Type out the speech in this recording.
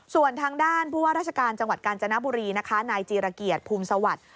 ส่วนทางด้านผู้ว่าราชการจังหวัดกาญจนบุรีนะคะนายจีรเกียรติภูมิสวัสดิ์